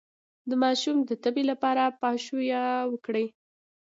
د ماشوم د تبې لپاره پاشویه وکړئ